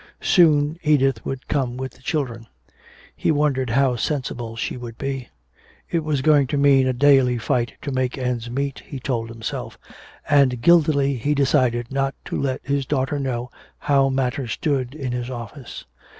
Soon Edith would come with the children. He wondered how sensible she would be. It was going to mean a daily fight to make ends meet, he told himself, and guiltily he decided not to let his daughter know how matters stood in his office.